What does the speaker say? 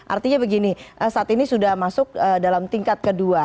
artinya begini saat ini sudah masuk dalam tingkat kedua